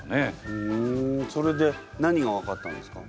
ふんそれで何が分かったんですか？